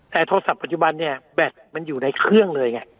แต่โทรศัพท์ปัจจุบันเนี่ยแบตมันอยู่ในเครื่องเลยไง